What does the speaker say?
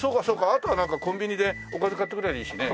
あとはなんかコンビニでおかず買ってくればいいしね。